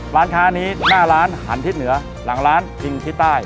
ร้านค้านี้หน้าร้านหันทิศเหนือหลังร้านพิงทิศใต้